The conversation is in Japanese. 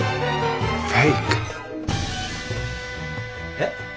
えっ？